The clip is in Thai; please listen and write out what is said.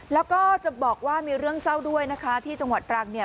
แล้วก็จะบอกว่ามีเรื่องเศร้าด้วยนะคะที่จังหวัดตรังเนี่ย